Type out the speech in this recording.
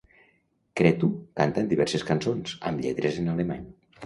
Cretu canta en diverses cançons, amb lletres en alemany.